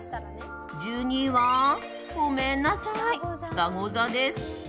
１２位は、ごめんなさいふたご座です。